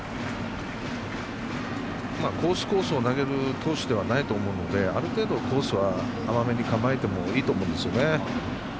コース、コースを投げる投手ではないと思うのである程度、コースは甘めに構えてもいいと思うんですよね。